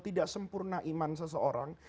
tidak sempurna iman seseorang